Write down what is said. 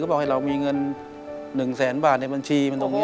บอกให้เรามีเงิน๑แสนบาทในบัญชีมันตรงนี้